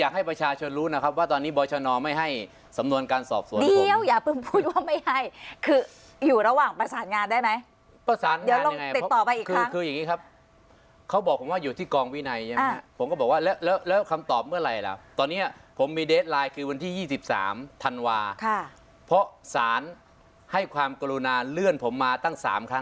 ให้ประชาชนรู้นะครับว่าตอนนี้บริชนอลไม่ให้สำนวนการสอบส่วนผมเดี๋ยวอย่าพึ่งพูดว่าไม่ให้คืออยู่ระหว่างประสานงานได้ไหมประสานงานยังไงเดี๋ยวติดต่อไปอีกครั้งคืออย่างงี้ครับเขาบอกผมว่าอยู่ที่กองวินัยนะฮะผมก็บอกว่าแล้วแล้วแล้วคำตอบเมื่อไหร่ล่ะตอนเนี้ยผมมีเดสไลน์คือวันที่ยี่สิบสามธัน